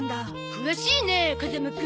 詳しいね風間くん。